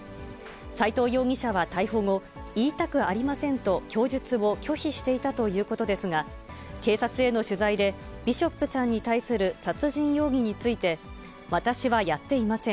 斎藤容疑者は逮捕後、言いたくありませんと供述を拒否していたということですが、警察への取材で、ビショップさんに対する殺人容疑について、私はやっていません。